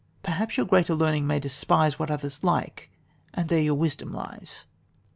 Perhaps your greater learning may despise What others like and there your wisdom lies."